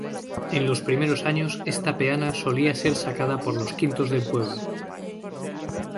En los primeros años esta peana solía ser sacada por los quintos del pueblo.